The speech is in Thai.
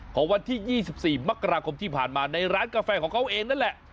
ของวันที่๒๔มกราคมที่ผ่านมาในร้านกาแฟของเขาเองนั่นแหละ